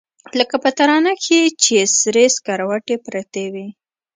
لکه په تناره کښې چې سرې سکروټې پرتې وي.